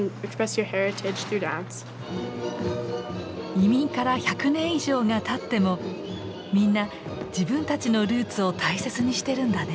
移民から１００年以上がたってもみんな自分たちのルーツを大切にしてるんだね。